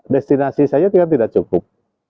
destinasi saja tidak cukup